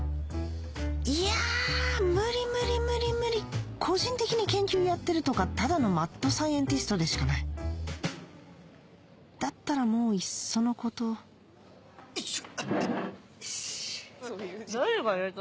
いやぁ無理無理無理個人的に研究やってるとかただのマッドサイエンティストでしかないだったらもういっそのことよっしゃ。